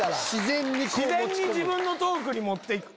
自然に自分のトークに。